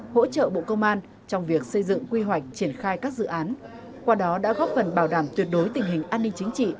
hỗ trợ bộ công an trong việc xây dựng quy hoạch triển khai các dự án qua đó đã góp phần bảo đảm tuyệt đối tình hình an ninh chính trị